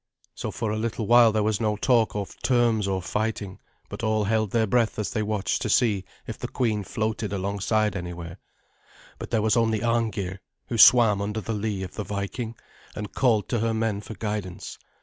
So for a little while there was no talk of terms or fighting, but all held their breath as they watched to see if the queen floated alongside anywhere; but there was only Arngeir, who swam under the lee of the Viking, and called to her men for guidance.